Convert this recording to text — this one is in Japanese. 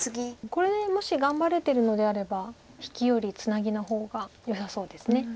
これでもし頑張れてるのであれば引きよりツナギの方がよさそうです。